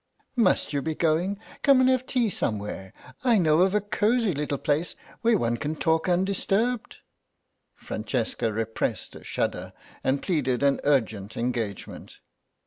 "Must you be going? Come and have tea somewhere. I know of a cosy little place where one can talk undisturbed." Francesca repressed a shudder and pleaded an urgent engagement.